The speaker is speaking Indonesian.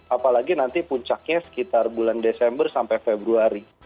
apalagi nanti puncaknya sekitar bulan desember sampai februari